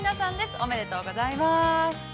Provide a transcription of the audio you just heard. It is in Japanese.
おめでとうございます！